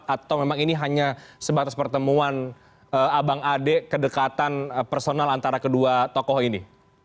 atau memang ini hanya sebatas pertemuan abang ade kedekatan personal antara kedua tokoh ini